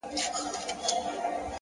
هره پرېکړه د راتلونکي لوری ټاکي،